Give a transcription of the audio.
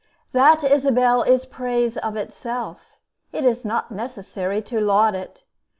That, Isabel, is praise of itself, It is not necessary to laud it.